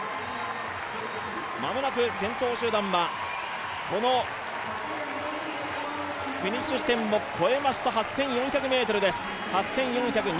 間もなく先頭集団はフィニッシュ地点を越えますと８４００ｍです。